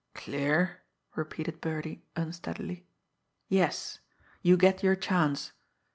"Clear?" repeated Birdie unsteadily. "Yes you get your chance.